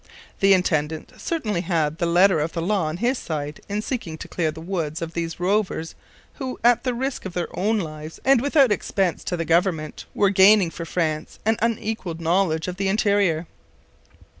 The intendant certainly had the letter of the law on his side in seeking to clear the woods of those rovers who at the risk of their own lives and without expense to the government were gaining for France an unequalled knowledge of the interior.